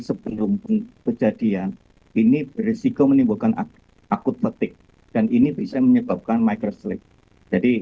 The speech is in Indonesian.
sebelum kejadian ini berisiko menimbulkan akut petik dan ini bisa menyebabkan microslike jadi